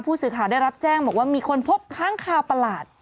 สื่อข่าวได้รับแจ้งบอกว่ามีคนพบค้างคาวประหลาด